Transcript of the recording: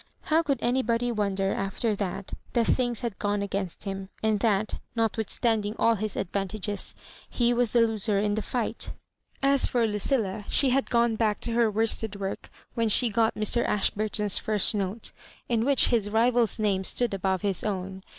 How could anybody wonder, after that, that things had gone against him, and that, notwithstanding all his advantages, he was the loser in the fight ? ^As for Ludlla, she had gone back to her worsted work when she got Mr. Ashburton's first note, in which his rivld's name stood above his own.